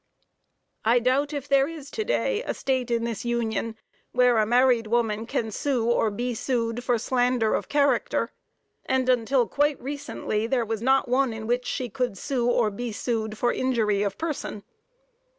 I doubt if there is, to day, a State in this Union where a married woman can sue or be sued for slander of character, and until quite recently there was not one in which she could sue or be sued for injury of person.